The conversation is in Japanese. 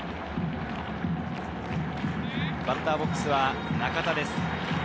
バッターボックスは中田です。